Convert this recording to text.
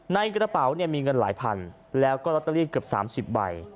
ในกระเป๋าเนี่ยมีเงินหลายพันแล้วก็ลอตเตอรี่เกือบ๓๐ใบ